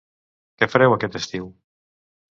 Què fareu aquest estiu?